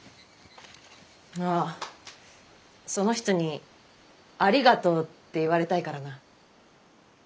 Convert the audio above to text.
あその人に「ありがとう」って言われたいからな。